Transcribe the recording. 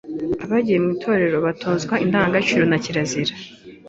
Abagiye mu Itorero batozwaga Indangagaciro na Kirazira